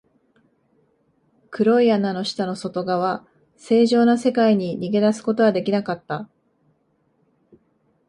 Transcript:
黒い穴の下の外側、正常な世界に逃げ出すことはできなかった。